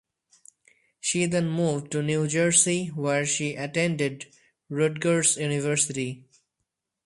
She then moved to New Jersey, where she attended Rutgers University.